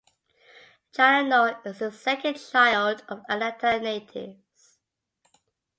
Challenor is the second child of Atlanta natives.